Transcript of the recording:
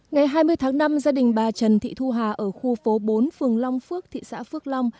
ngày hai mươi tháng năm gia đình bà trần thị thu hà ở khu phố bốn phường long phước thị xã phước long